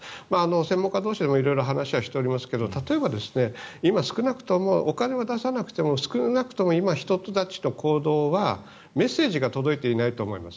専門家同士でも色々話をしておりますが今、少なくともお金を出さなくても少なくとも今その人たちの行動はメッセージがメッセージが届いてないと思います。